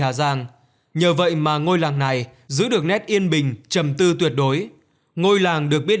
hà giang nhờ vậy mà ngôi làng này giữ được nét yên bình chầm tư tuyệt đối ngôi làng được biết